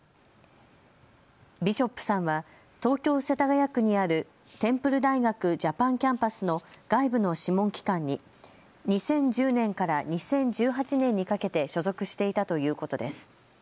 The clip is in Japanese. ビショップさんは東京世田谷区にあるテンプル大学ジャパンキャンパスの外部の諮問機関に２０１０年から２０１８年にかけて所属していたということです。